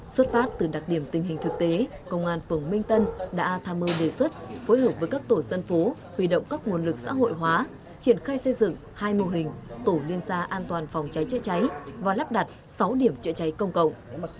xuất phát từ đặc điểm tình hình thực tế công an phường minh tân đã tham mưu đề xuất phối hợp với các tổ dân phố huy động các nguồn lực xã hội hóa triển khai xây dựng hai mô hình tổ liên gia an toàn phòng cháy chữa cháy và lắp đặt sáu điểm chữa cháy công cộng